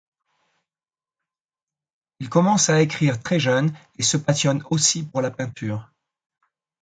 Il commence à écrire très jeune et se passionne aussi pour la peinture.